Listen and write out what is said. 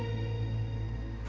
saya takut jadi miskin